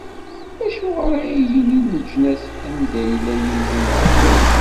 Acuɣer ara yinin leǧnas: Anda yella Yillu-nsen?